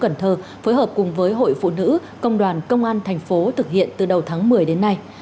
công an tp cần thơ phối hợp cùng với hội phụ nữ công đoàn công an tp thực hiện từ đầu tháng một mươi đến nay